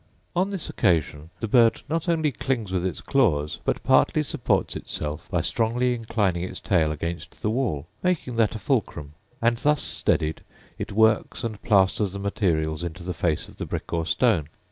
On this occasion the bird not only clings with its claws, but partly supports itself by strongly inclining its tail against the wall, making that a fulcrum; and thus steadied it works and plasters the materials into the face of the brick or stone.